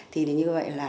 thì như vậy là